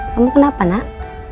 kamu kenapa nak